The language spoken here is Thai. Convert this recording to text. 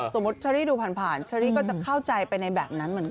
เชอรี่ดูผ่านเชอรี่ก็จะเข้าใจไปในแบบนั้นเหมือนกัน